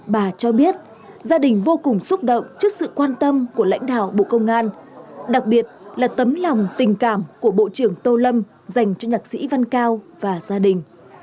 bà cho biết gia đình vô cùng xúc động trước sự quan tâm của lãnh đạo bộ công an đặc biệt là tấm lòng tình cảm của bộ trưởng tô lâm dành cho nhạc sĩ văn cao và gia đình